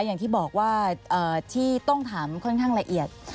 อย่างที่บอกว่าที่ต้องถามค่อนข้างละเอียด